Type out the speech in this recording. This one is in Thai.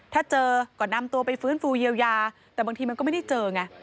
ถ้าเจอก็นำตัวไปฟื้นฟูเยียวยาแต่บางทีมันก็ไม่ได้เจอไง